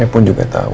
saya pun juga tahu